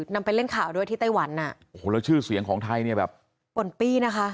นำไปเล่นข่าวด้วยที่ไต้หวันอ่ะโอ้โหแล้วชื่อเสียงของไทยเนี่ยแบบป่นปี้นะคะ